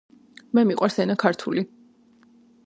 მე მიყვარს ენა ქართული.